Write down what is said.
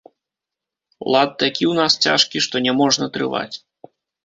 Лад такі ў нас цяжкі, што няможна трываць.